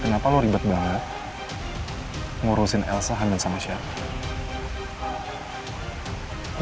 kenapa anda sangat ribet menguruskan elsa dengan siapa